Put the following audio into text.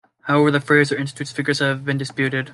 However, the Fraser Institute's figures have been disputed.